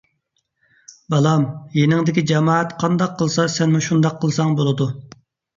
بالام، يېنىڭدىكى جامائەت قانداق قىلسا سەنمۇ شۇنداق قىلساڭ بولىدۇ.